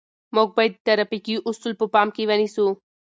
موږ باید د ترافیکو اصول په پام کې ونیسو.